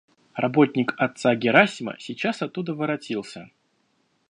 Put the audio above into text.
Работник отца Герасима сейчас оттуда воротился.